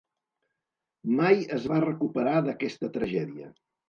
Mai es va recuperar d'aquesta tragèdia.